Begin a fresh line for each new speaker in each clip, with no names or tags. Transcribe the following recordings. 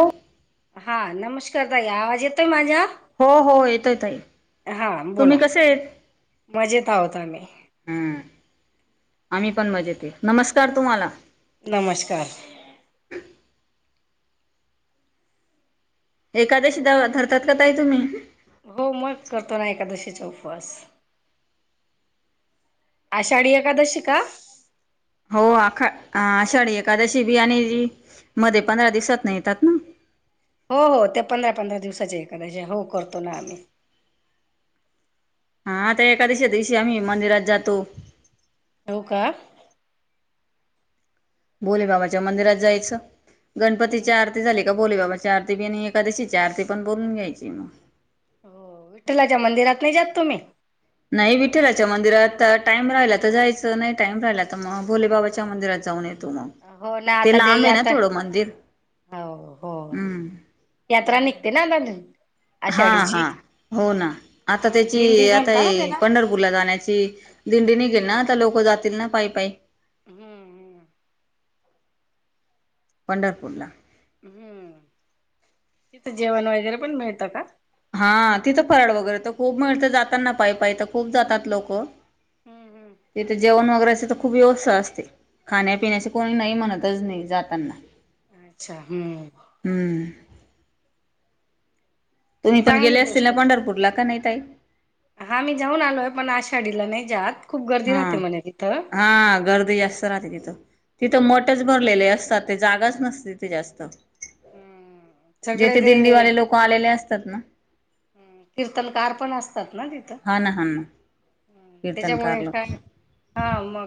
हो
हा नमस्कार ताई, आवाज येतोय माझ्या,
हो हो येतोय ताई,
बोला
तुम्ही कसे?
मजेत आहोत आम्ही
हम्म आम्ही पण मजेत, नमस्कार तुम्हाला,
नमस्कार,
एखकाद्याशी द धरतात काय तुम्ही,
हो मग करतो ना, एकादिशीचा उपवास. आषाढी एकादशी का?
हो आख आषाढएकादशी बी आणि, मध्ये पंधरा दिवसात नाही येतात ना,
हो हो त्या पंधरा पंधरा दिवसाचे, एखाद्याशी हो करतो ना आम्ही,
हा आता एकादशीच्या दिवशी आम्ही मंदिरात जातो,
हो का,
भोले बाबाच्या मंदिरात जायचं,
हम्म
गणपतीची आरती झाली का बोली बाबा चार ती बीन, एखादशी चारती पण बोलून घ्यायची मग,
हो विठ्ठलाच्या मंदिरात नाही जात तुम्ही?
नाही विठेलाच्या मंदिरात टाइम राहिला तर जायचं नाही, टाईम राहिला तर मग भोलेबाबाच्या मंदिरात जाऊन येत. तू
हो ना
ते
आता दे
लाांबआहे, ना
यात्रा
थोडं मंदिर
हो हो
हम्म,
यात्रा
मंदिरला.
निघते ना? [unintelligible]
हा हा
आषाढीची
हो ना, आता
हा
त्याची
दिंडी
आता
म्हणता ना त्याला
पंढरपूर, ला जाण्याची दिंडी नाही
हम्म
घेना तर लोकं जातील ना, पाय पाय
हम्म हम्म,
पंढरपूरला,
हम्म, तिथं जेवण वगैरे पण मिळतं का?
हा तिथं फराळ वगैरे तर खूप मिळत, जातातना पाय पाय तर खूप जातात लोक,
हम्म हम्म,
तथे जेवण वगैरेची तर खूप व्यवस्था असते,
हम्म
खाण्यापिण्याची कोणी नाही म्हणतच नाही जाताना,
अच्छा हम,
हम्म, तुम्ही पण गेले
चांगली
असतील ना,
गोष्ट आहे.
पंढरपूरला का नाही ताई,
हा मी जाऊन आलो आहे, पण आषाढीला नाही जात. खूप गर्दी
हा
राहते म्हणे तिथं.
हा, गर्दी अस, राहते तिथं तिथं
हम्म
मठच भरलेले असतात, ते जागाच नसते त जास्त,
हम्म सगळे
जेथे
ते
दिंडीवाले लोक आलेले असतात ना,
ह कीर्तनकार पण असतात ना तिथं,
हा ना हा ना कीर्तनकार
त्याच्यामुळे
लोक
काय, हा मग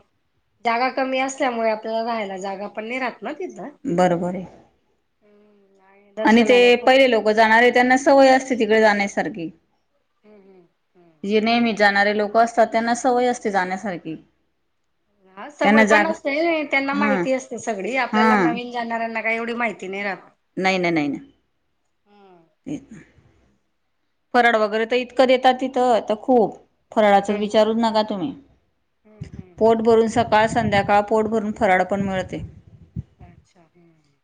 जागा कमी असल्यामुळे, आपल्याला राहायला जागा पण नाही राहत, म तिथं,
बरोबर आहे आणि ते
दर्शनाला खूप
पहिले
वेळ
लोक
लागतो.
जाणारे त्यांना सवय असते तिकडे जाण्यासारखी.
हम्म हम्
जे नेहमी जाणारे लोक असतात त्यांना सवय असते जाण्यासारखी
हा सवय
त्यांना
पण
जागा
असते त्यांना
हा
माहिती असते सगळी
हा
आपल्याला काही जाणाऱ्यांना काही एवढी माहिती नाही राहत.
नाही, नाही, नाही ना
हम्म
ते फराड वगैरे तर इतकं देतात तिथं तर खूप फराळाचं
हम्म
विचारूच नका तुम्ही
हम्म हम्म
पोट भरून सका सकाळ संध्याकाळ पोट भरून फराळ पण मिळते.
अच्छा हम्म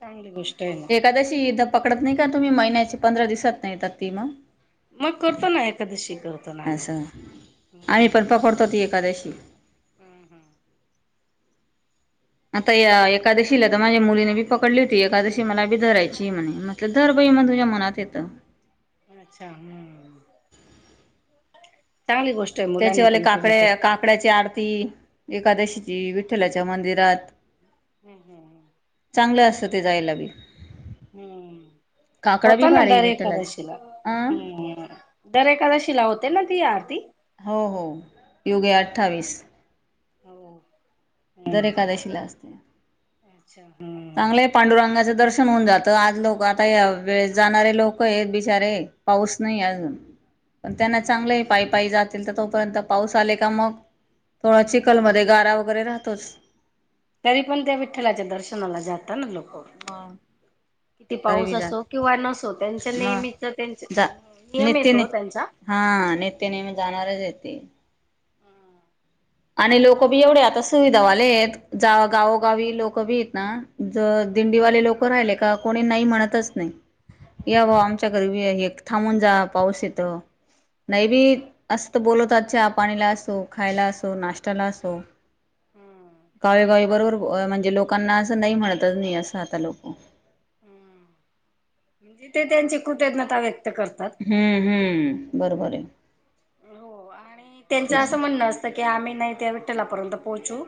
चांगली गोष्ट आहे. ना
कदाशी इथ पकडत नाही का? तुम्ही महिन्याचे पंधरा दिवसात न येता त ते मग?
मग करतो ना एखकादशी करतो ना आम्ही.
असं आम्ही
हम्म
पण पकडतो ती एकादशी.
हम्म हम्म
आता या एकादशीला तर माझ्या मुलीने बी पकडली होती एकादशी मला बी धरायची म्हणे म दर बही मण तुझ्या मनात येतं.
अच्छा हम् चांगली गोष्ट आहे मुलांनी पण केली तर
आकड्याची आरती एकादशीची विठ्ठलाच्या मंदिरात.
हम् हम् हम
चांगलं असतं ते जायला बी.
हम्म
काकडा बी
होताना
भारी
दर कराशिला
विठ्ठलाचा अं
हम्म. दर एखादा शिला होते ना ती आरती.
हो हो योगे अठ्ठावीस.
हो
जर
हम्म
एकादेशीला
अच्छा हम्म
चांगले पांडुरंगाचं दर्शन होऊन जातं आज लोक आता या वेळेस जाणारे लोक आहेत बिचारे पाऊस नाही अजून. पण त्यांना
हम्म
चांगलेहे पायपायी जाती तर तोपर्यंत पाऊस आले का मग? थोडा
हम्म
चिखलमध्येध्ये गारा वगैरे राहतोच.
तरी पण त्या विठ्ठलाच्या दर्शनाला जातात ना लोक.
म
किती पाऊस असो किंवा नसो त्यांच्या नेहमीचा त्यां
मग जा
नियम ये
नितीने
तो त्यांचा.
हा नेते नेहमी जाणारच येते. आणि लोक बी एवढे आता सुविधावाले आहेत जा गावोगावी लोक बी आहेत ना? ज दिंडीवाले लोक राहिले का कोणी नाही म्हणतच नाही या भा आमच्या घरी एक थांबून जा पाऊस येतो. नाही बी
अच्छा.
असं तर बोलवतात चहा पाणीला असो खायला असो नाश्त्याला असो. गावेगावी बरोबर म्हणजे लोकांना असं नाही म्हणतच नाही असं आता लोक.
हम्म म्हणजे ते त्यांची कृतज्ञता व्यक्त करतात.
हम्म हम्म बरोबर आहे.
हो आणि त्यांचं
तेच ना.
असं म्हणणं असतं की आम्ही नाही त्या विठ्ठलापर्यंत पोहोचू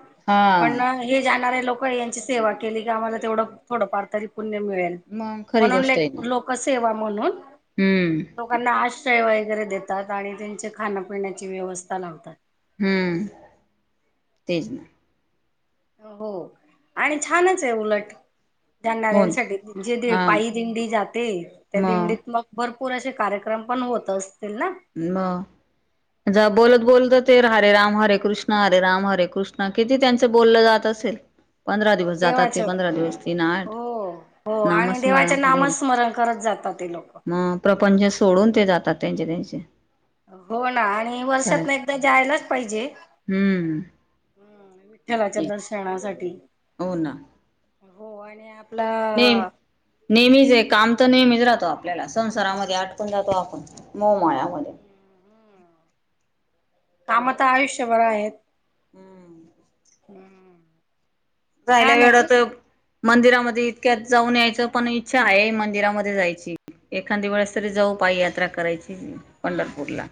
पण.
हा
हे जाणारे लोक यांची सेवा केली की आम्हाला तेवढं थोडंफार तरी पुण्य मिळेल.
मग खरी गोष्ट
म्हणूनले
आहे ना
लोकसेवा म्हणून
हम्म
लोकांना आश्रय वगैरे देतात आणि त्यांचे खाण्यापिण्याची व्यवस्था लावतात.
हम्म तेज
हो आणि छानच आहे उलट.
हो ना
जाणाऱ्यांसाठी जे
हा
पायी दिंडी जाते त्या दिंडीत मग भरपूर असे कार्यक्रम पण होत असतील ना?
म
हम्म
बोलत बोलत ते हरे राम हरे कृष्ण हरे राम हरे कृष्ण किती त्यांचं बोललं जात असेल खे [unintelligible] पंधरा
हो
दिवस जातात
देवाच
ते पंधरा दिवस तीन, आठ
हो हो आणि देवाचे
नामस्मरणामध्ये.
नामस्मरण करत जातात ते लोक
मग प्रपंच सोडून ते जातात त्यांचे त्यांचे
हो ना आणि वर्षात
खरंच
ना एकदा जायलाच पाहिजे.
हम्म
देवाच्या दर्शनासाठी
हो ना
हो आणि आपला
नेम नेहमीच आहे काम तर नेहमीच राहतो आपल्याला संसारामध्ये आटकून जातो आपण मोहमाळ्यामध्ये.
कामतर आयुष्यभरं आहे.
हम्म.
हम्म.
जायला वेड तर मंदिरामध्ये इतक्यात जाऊन यायचं पण इच्छा आहे मंदिरामध्ये जायची एखादी वेळेस तरी जाऊ पायी यात्रा करायची पंढरपूरला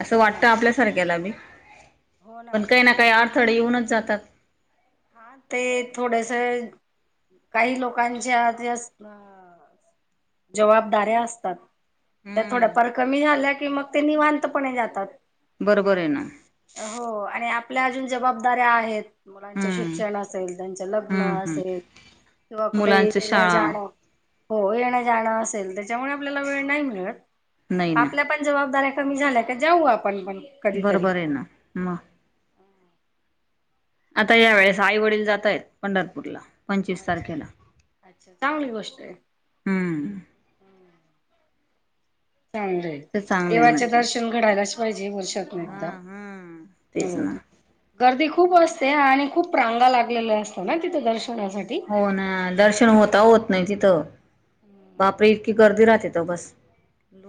असं
हो ना
वाटतं आपल्यासारख्याला बी पण काही ना काही आठ आळथडे येऊनच जातात.
हा ते थोडेस काही लोकांच्या ज जबाबदाऱ्या असतात त्या
हम्म
थोड्याफार कमी झाल्या की मग ते निवांतपणे जातात.
बरोबर आहे ना
हो आणि आपल्या अजून जबाबदाऱ्या आहेत. मुलांचे
हम्म
शिक्षण असेल त्यांच लग्न
हम्म
असेल
हम्म
तेव्हा कुठ
मुलांच
येन
शाळा
जाण हो येणं जाणं असेल त्याच्यामुळे आपल्याला वेळ नाही मिळत
नाही ना
आपल्या जबाबदाऱ्या कमी झाल्या का जाऊ आपण पण कधीतरी
बरोबर आहे ना मग आता या वेळेस आई वडील जाता येत पंढरपूरला पंचवीस
अच्छा
तारखेला
अच्छा
हम्म.
ह. ह रे
ते
[unintelligible]
चांगले आहे
देवाच
म्हटलं
दर्शन घडायलाच पाहिजे वर्षातून एकदा
हा हा तेच
हो.
ना
गर्दी खूप असते आणि खूप रांगा लागलेल्या असत ना तिथे दर्शनासाठी
होणा दर्शन होता होत नाही तिथ बापरे गर्दी राहते तर बस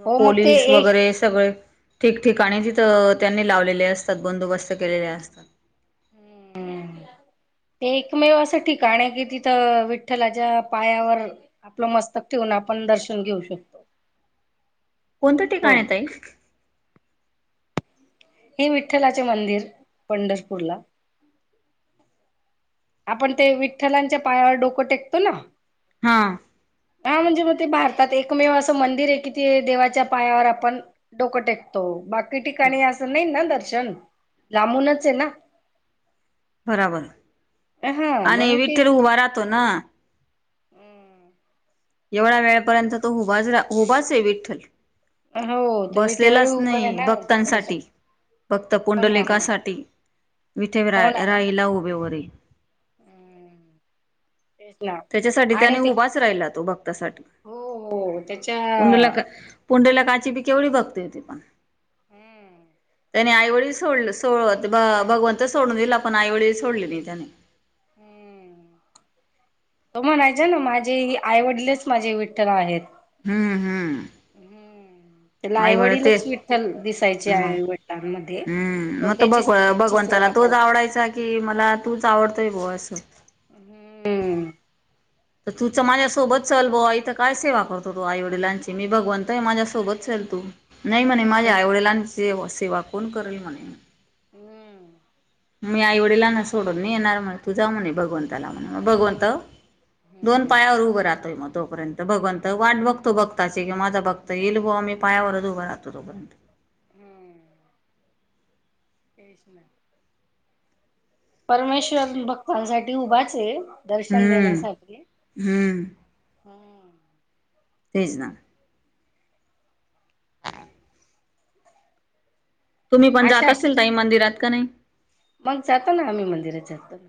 हो मग ते
पोलीस
एक
वगैरे सगळे ठिकठिकाणी तिथं त्यांनी लावलेले असतात बंदोबस्त केलेले असतात. [unintelligible]
ते एकमेव असं ठिकाण आहे कि तिथं विठ्ठलाच्या पायावर आपलं मस्तक ठेवून आपण दर्शन घेऊ शकतो.
कोणतं ठिकाण
पण
आहे ताई?
हे विठ्ठलाचे मंदिर पंढरपूरला आपण ते विठ्ठलांच्या पायावर डोकं टेकतोना
हा.
हा म्हणजे मग ते भारतात एकमेव असं मंदिर आहे कि ते देवाच्या पायावर आपण डोकं टेकतो. हो बाकी ठिकाणी असं नाही ना दर्शन लांबूनच आहे ना
बराबर
हा मग
आणि
मी ते
विठ्ठल उभा राहतो ना
हम्म.
एवढ्या वेळापर्यंत तो उभा उभाच आहे विठ्ठल.
हो तो विटेवर
बसलेलाच
उभा आहे
नाही
ना तो बस
भक्तांसाठी भक्त
हो ना हो ना
पुंडलेखासाठी विटे रा
हो ना
राहिला उभेवरी
हम्म तेच ना
त्याच्यासाठी
आणि
त्याने
ते
उभाच राहिला तो भक्तासाठी
हो हो त्याच्या
उंडला पुंडेला काची बी केवढी भक्ती होती पण
हम्म.
त्यानी आईवडील सोडल, सोड भगवंत सोडून दिला पण आईवडील सोडले नाही त्याने.
हम्म
[unintelligible]
तो म्हणायचा ना, माझे आईवडीलच माझे विठ्ठल आहेत.
हम्म हम्म.
हम्म. त्याला
आईवड ते
आईवडीलच विठ्ठल दिसायचे,
हम्म
आईवडीलां मध्ये तो
मग
त्याची
भग
त्यांची
भगवंताला
सेवा-
तोच
करत असे.
आवडायचा की मला तूच आवडतोय भो असं.
हम्म.
तर तूच माझ्यासोबत चल बुवा. ईथ काय सेवा करतो तू आई वडिलांची? मी भगवंतये माझ्यासोबत चल तू. नाही म्हणे, माझ्या आई
हम्म
वडिलांचे सेवा कोण करेल? म्हणे.
हम्.
मी आईवडिलां ना सोडून नाही येणार म्हणे. तू जा म्हणे भगवंताला म्हणा. भगवंत-
हम्म
दोन
हम्म
पायावर उभरात. हतोय मग तोपर्यंत. भगवंत वाट बघतो भक्ताची कि माझा भक्त येईल बुवा. मी पायावरच उभा राहतो. बरोबर.
हम्म परमेश्वर भक्तांसाठी उभाचये.
हम्म. हम्म.
हम्.
तेच ना. तुम्ही पण जात
आषाढ
असेल ताई मंदिरात. का नाही?
मग जातो ना आम्ही मंदिरात जातो.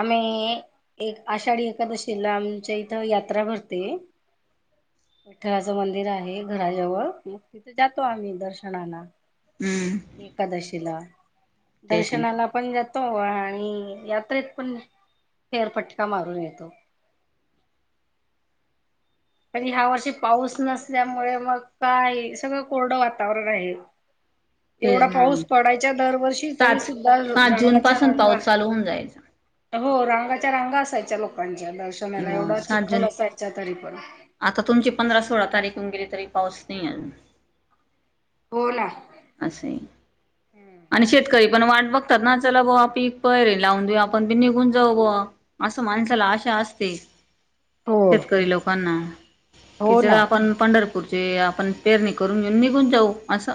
आम्ही एक आषाढी एकादशीला आमच्या इथं यात्रा भरते. विठ्ठलाचं मंदिर आहे घराजवळ. मग तिथे जातो आम्ही दर्शनाला.
हम्म.
एकादशीला.
तेच ना
दर्शनाला- आपण जातो आणि यात्रेत पण फेरफटका मारून येतो. पण ह्या वर्षी पाऊस नसल्यामुळे मग काय? सगळं कोरडं वातावरण आहे. एवढा
तेच ना
पाऊस पडायचा दरवर्षी तरी
सात
सुद्धा
सात जून
रांगाच्या
पासून
रांगा-
पाऊस चालू होऊन जायचा
हो. रांगाच्या रांगा असायच्या लोकांच्या दर्शनाला
मग
एवढा
सात
चिखल
जून
असायचा तरी पण.
आता तुमची पंधरा सोळा तारीख होऊन गेली तरी पाऊस नाही अजून.
बोला.
अस ये. आणि शेतकरी पण वाट बघतात ना? चला बुवा पिक पहिले लावून देऊ आपण बी निघून जाऊ बुवा. असं माणसाला आशा असते.
हो
- ते शेतकरी लोकांना, कि
हो
जरा
ना
आपण पंढरपू- आपण पेरणी करून घेऊन निघून जाऊ अस.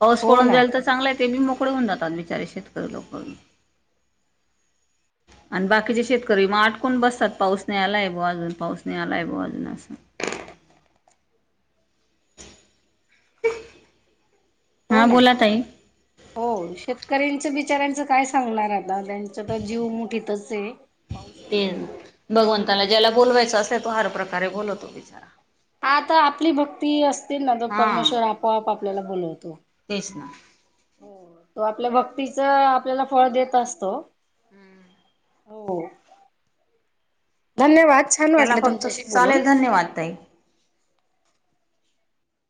पाऊस
हो
पडून
ना
जाईल तर चांगलाय. ते बी मो - -कळे होऊन जातात बिचारे शेतकरी लोक. आणि बाकीचे शेतकरी मग अटकून बसतात. पाऊस नाही आला ये बुवा अजून. पाऊस नाही आला ये बुवा अजून असं.
हम्. हो
हा
ना
बोला ताई.
हो, शेतकऱ्यांच बिचाऱ्यांचं काय सांगणार आता? त्यांचा तर जीव मुठीतच आहे. पाऊस
ते
नसल्यामुळे.
भगवंताला ज्याला बोलवायचा असेल, तो हर प्रकारे बोलवतो बिचारा.
आता आपली भक्ती असते ना, तो
हा
परमेश्वर आपोआप आपल्याला बोलवतो.
तेच ना.
हो. तो आपल्या भक्तीच आपल्याला फळ देत असतो.
हम्म.
हो. धन्यवाद छान
त्याला
वाटलं
फक्त
तुमच्याशी बोलून.
चालेल धन्यवाद ताई